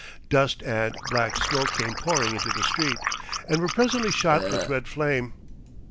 Dust and black smoke came pouring into the street, and were presently shot with red flame....